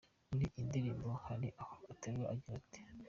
Muri iyi ndirimbo hari aho aterura agira ati:.